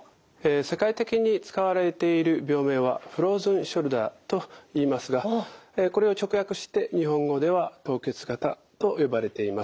世界的に使われている病名はｆｒｏｚｅｎｓｈｏｕｌｄｅｒといいますがこれを直訳して日本語では凍結肩と呼ばれています。